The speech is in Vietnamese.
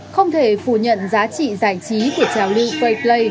không thể phủ nhận giá trị giải trí của trào lưu payplay